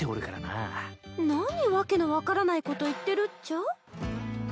何訳の分からないこと言ってるっちゃ？